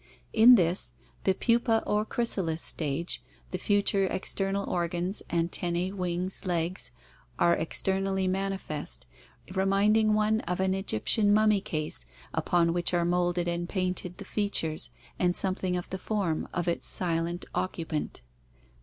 In this, the pupa or chrysalis stage, the future external organs — anten nae, wings, legs — are externally manifest, reminding one of an Egyptian mummy case upon which are molded and painted the features and something of the form of its silent occupant.